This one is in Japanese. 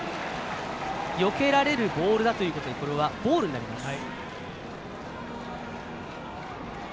よけられるボールということでこれはボールになります。